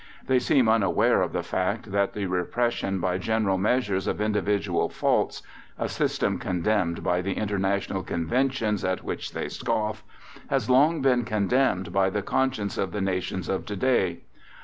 They seem unaware of the fact that the repression by general measures of individual faults a system condemned by the International Conventions at which they scoff has long been condemned by the conscience of the nations of to day.